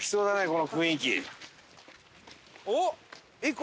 この雰囲気。